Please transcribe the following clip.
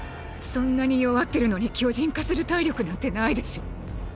そんなに弱ってるのに巨人化する体力なんてないでしょ。